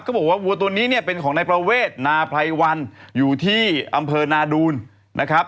บอกว่าวัวตัวนี้เนี่ยเป็นของนายประเวทนาไพรวันอยู่ที่อำเภอนาดูนนะครับ